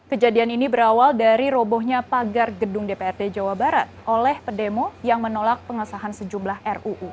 kejadian ini berawal dari robohnya pagar gedung dprd jawa barat oleh pedemo yang menolak pengesahan sejumlah ruu